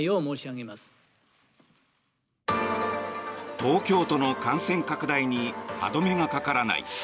東京都の感染拡大に歯止めがかからない。